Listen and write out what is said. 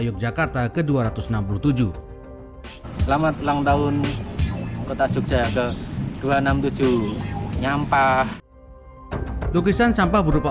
yogyakarta ke dua ratus enam puluh tujuh selamat ulang tahun kota jogja ke dua ratus enam puluh tujuh nyampah lukisan sampah berupa